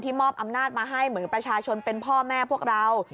มอบอำนาจมาให้เหมือนประชาชนเป็นพ่อแม่พวกเรา